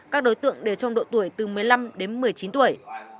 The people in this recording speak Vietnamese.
các đối tượng đều trong độ tuổi từ một mươi năm đến một mươi chín tuổi